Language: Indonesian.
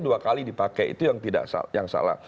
dua kali dipakai itu yang salah